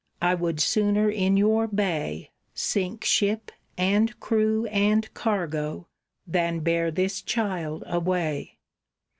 I would sooner in your bay Sink ship and crew and cargo, than bear this child away!"